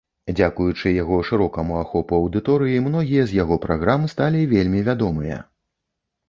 Дзякуючы яго шырокаму ахопу аўдыторыі, многія з яго праграм сталі вельмі вядомыя.